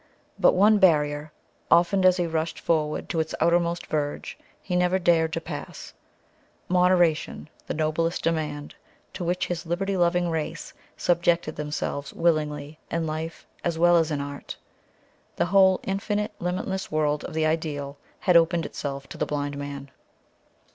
But one barrier, often as he rushed forward to its outermost verge, he never dared to pass moderation, the noblest demand, to which his liberty loving race subjected themselves willingly in life as well as in art. The whole infinite, limitless world of the ideal had opened itself to the blind man.